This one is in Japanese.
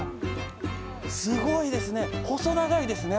すごいですね細長いですね！